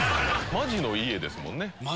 マジの家ですもんね。